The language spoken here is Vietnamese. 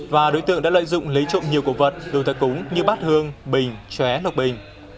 và đối tượng đã lợi dụng lấy trộm nhiều cổ vật dùng thờ cúng như bát hương bình chóe lục bình